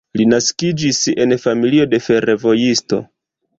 Li naskiĝis en familio de fervojisto.